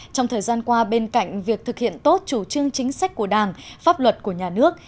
trong thời gian qua bên cạnh việc thực hiện tốt chủ trương chính sách của đảng pháp luật của nhà nước